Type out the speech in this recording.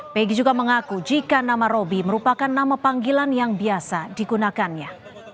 pegi juga mengaku jika nama roby merupakan nama panggilan yang biasa digunakannya